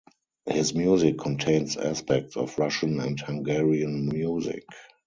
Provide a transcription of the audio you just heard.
His music contains aspects of Russian and Hungarian music.